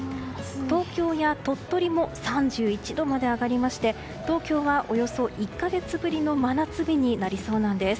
東京や鳥取も３１度まで上がりまして東京はおよそ１か月ぶりの真夏日になりそうなんです。